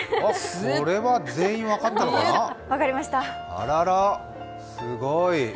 あららら、すごい。